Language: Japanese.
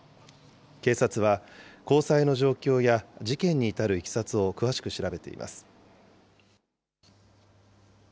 警察は交際の状況や事件に至るいきさつを詳しく調べています。